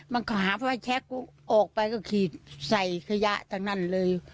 มันขาไฟแช๊กออกไปก็ขีดใส่ขยะตรงนั้นเลย